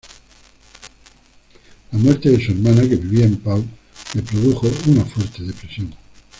La muerte de su hermana que vivía en Pau, le produjo una fuerte depresión.